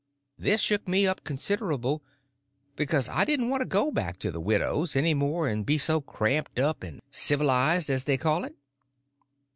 This shook me up considerable, because I didn't want to go back to the widow's any more and be so cramped up and sivilized, as they called it.